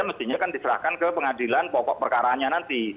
masyarakat ke pengadilan pokok perkaranya nanti